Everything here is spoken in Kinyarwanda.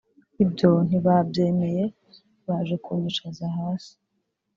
Ibyo ntibabyemeye baje kunyicaza hasi